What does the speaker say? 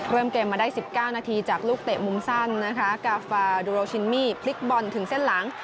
เริ่มเกมมาได้๑๙นาทีจากลูกเตะมุมสั้นนะคะกาฟาดูโรชินมี่พลิกบอลถึงเส้นหลัง